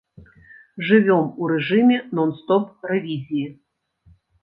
Жывём у рэжыме нон-стоп рэвізіі.